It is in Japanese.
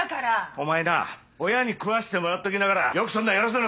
お前な親に食わせてもらっときながらよくそんな偉そうな口！